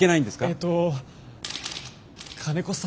えっと金子さん